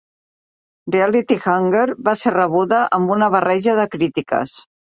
"Reality Hunger" va ser rebuda amb una barreja de crítiques.